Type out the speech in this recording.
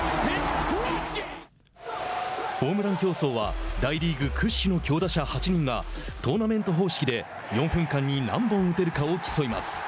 ホームラン競争は大リーグ屈指の強打者８人がトーナメント方式で４分間に何本打てるかを競います。